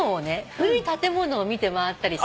古い建物を見て回ったりしたんですよ。